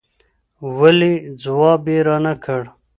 ولې ځواب يې را نه کړ